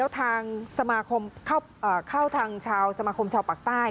ทางเข้าทางชาวปากใต้